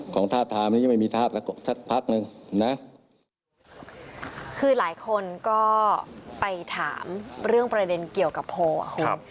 ก็ไปถามเรื่องประเด็นเกี่ยวกับโพลของคุณ